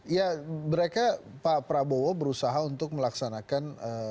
ya mereka pak prabowo berusaha untuk melaksanakan